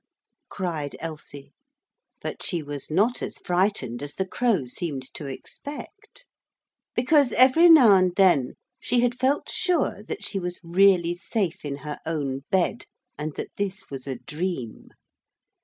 _' cried Elsie; but she was not as frightened as the Crow seemed to expect. Because every now and then she had felt sure that she was really safe in her own bed, and that this was a dream.